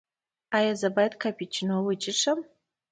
ایا زه باید کاپوچینو وڅښم؟